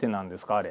あれ。